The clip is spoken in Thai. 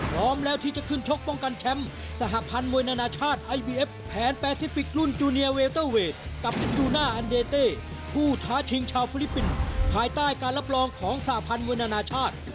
ผู้ท้าทิงชาวฟริปปินส์ภายใต้การรับรองของสระพันธ์มวยนานาชาติ